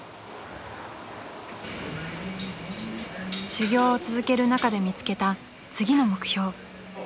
［修業を続ける中で見つけた次の目標］